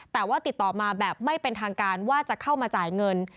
แต่ว่าติดต่อมาแบบไม่เป็นทางการว่าจะเข้ามาจ่ายเงิน